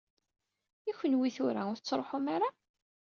I kenwi tura, ur tettruḥum ara?